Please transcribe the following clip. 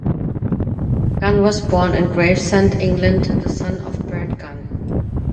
Gunn was born in Gravesend, England, the son of Bert Gunn.